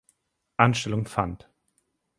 Anstellung fand.